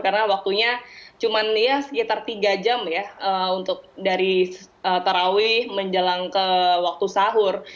karena waktunya cuma sekitar tiga jam ya untuk dari terawih menjelang ke waktu sahur